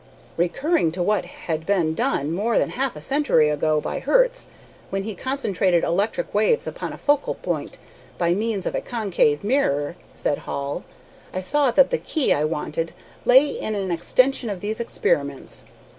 "Recurring to what had been done more than half a century ago by Hertz, when he concentrated electric waves upon a focal point by means of a concave mirror," said Hall, "I saw that the key I wanted lay in an extension of these experiments.